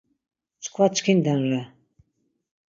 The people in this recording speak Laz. Çkva çkinden re.